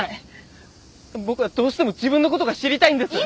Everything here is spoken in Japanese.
僕はどうしても自分のことが知りたいんです。